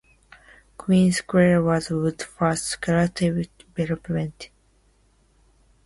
Queen Square was Wood's first speculative development.